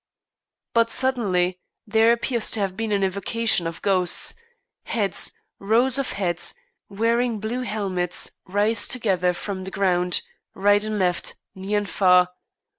But suddenly there appears to have been an evocation of ghosts; heads, rows of heads, wearing blue helmets, rise together from the ground, right and left, near and far.